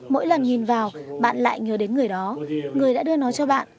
mỗi lần nhìn vào bạn lại nhớ đến người đó người đã đưa nó cho bạn